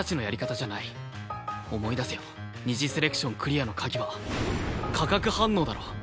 思い出せよ二次セレクションクリアの鍵は化学反応だろ。